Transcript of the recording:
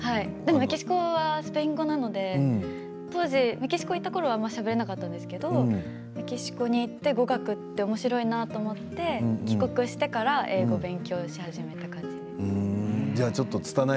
メキシコスペイン語なので当時メキシコにいたころはあまりしゃべれなかったんですけどメキシコに行って語学っておもしろいなと思って帰国してからつたない